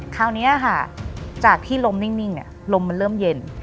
คราวนี้ค่ะจากที่ลมนิ่งลมมันเริ่มเย็น